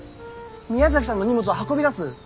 宮崎さんの荷物を運び出す。